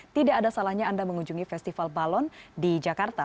tidak ada salahnya anda mengunjungi festival balon di jakarta